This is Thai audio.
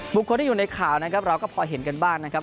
บุคคลที่อยู่ในข่าวนะครับเราก็พอเห็นกันบ้างนะครับ